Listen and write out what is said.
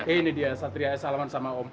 ini dia satria salaman sama om